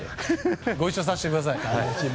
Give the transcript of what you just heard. ご一緒させてください。